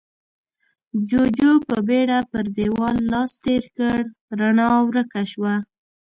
جُوجُو په بيړه پر دېوال لاس تېر کړ، رڼا ورکه شوه.